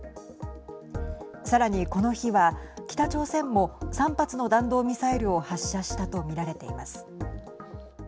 さらに、この日は北朝鮮も３発の弾道ミサイルを発射したと見られています。